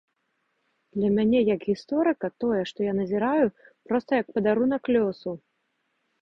Для мяне як гісторыка тое, што я назіраю проста як падарунак лёсу.